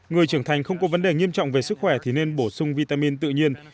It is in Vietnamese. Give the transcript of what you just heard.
người trưởng thành không có vấn đề nghiêm trọng về sức khỏe thì nên bổ sung vitamin tự nhiên